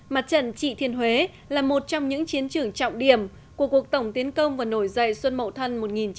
mặt trận trị thiên huế là một trong những chiến trường trọng điểm của cuộc tổng tiến công và nổi dậy xuân mậu thân một nghìn chín trăm bảy mươi năm